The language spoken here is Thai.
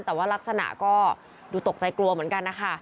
แต่ว่ารักษณะก็ดูตกใจกลัวเหมือนกันนะคะ